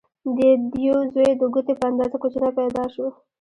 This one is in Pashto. د دیو زوی د ګوتې په اندازه کوچنی پیدا شو.